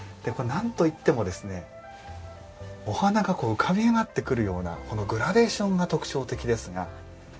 何と言ってもですねお花が浮かび上がってくるようなこのグラデーションが特徴的ですがこれ赤から変わっていくんですね。